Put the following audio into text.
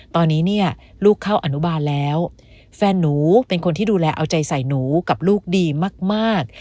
ตอนนี้เนี่ยลูกเข้าอนุบาลแล้วแฟนหนูเป็นคนที่ดูแลเอาใจใส่หนูกับลูกดีมาก